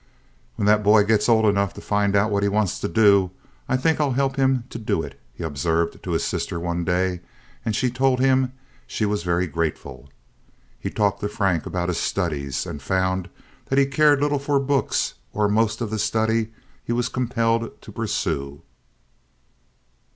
"When that boy gets old enough to find out what he wants to do, I think I'll help him to do it," he observed to his sister one day; and she told him she was very grateful. He talked to Frank about his studies, and found that he cared little for books or most of the study he was compelled to pursue.